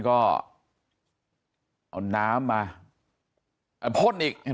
โอ้โห